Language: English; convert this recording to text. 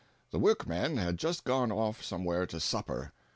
The workmen had just gone off somewhere to dinner.